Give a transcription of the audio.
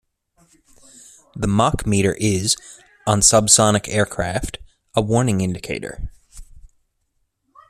The Machmeter is, on subsonic aircraft, a warning indicator.